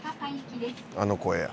「あの声や」